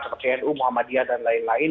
seperti nu muhammadiyah dan lain lain